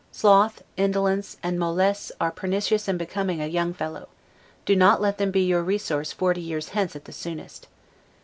Sloth, indolence, and 'mollesse' are pernicious and unbecoming a young fellow; let them be your 'ressource' forty years hence at soonest.